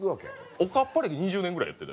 おかっぱ歴２０年ぐらいやってたでしょ？